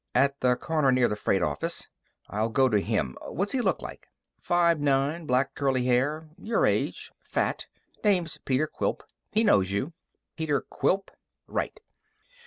"At the corner near the freight office." "I'll go to him. What's he look like?" "Five nine. Black, curly hair. Your age. Fat. Name's Peter Quilp. He knows you." "Peter Quilp?" "Right."